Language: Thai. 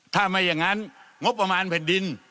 ถ้าไม่อย่างนั้นงบประมาณแผ่นดิน